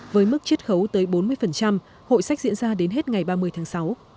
với mức chất khấu tới bốn mươi hội sách diễn ra đến hết ngày ba mươi tháng sáu